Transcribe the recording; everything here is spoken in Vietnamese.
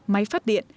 máy phát điện